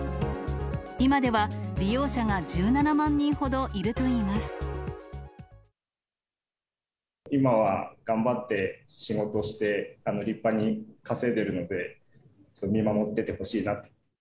今では利用者が１７万人ほど今は頑張って仕事して、立派に稼いでるので、見守っててほしいなと。